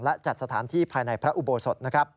และจัดสถานที่ภายในพระอุโบสถ